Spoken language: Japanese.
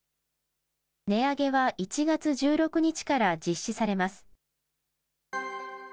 値上げは１月１６日から実施されます。